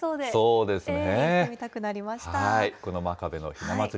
行ってみたくなりました。